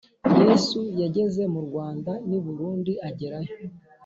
yesu yageze mu rwanda, n'i burund' agerayo;